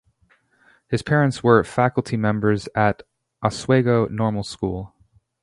His parents were faculty members at Oswego Normal School.